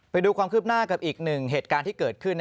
ไปดูความคืบหน้ากับอีกหนึ่งเหตุการณ์ที่เกิดขึ้น